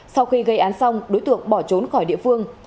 sau khi gây án xong đối tượng bỏ trốn khỏi địa phương